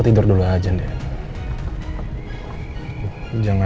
tuh ini dia